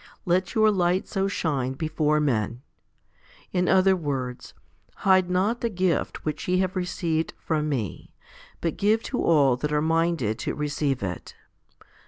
2 Let your light so shine before men. In other words, Hide not the gift which ye have received from Me, but give to all that are minded to receive it.